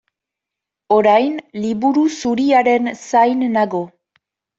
Orain Liburu Zuriaren zain nago.